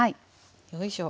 よいしょ。